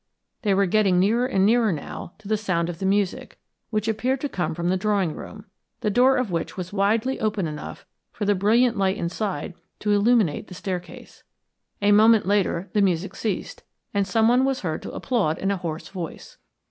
They were getting nearer and nearer now to the sound of the music, which appeared to come from the drawing room, the door of which was widely enough open for the brilliant light inside to illuminate the staircase. A moment later the music ceased, and someone was heard to applaud in a hoarse voice.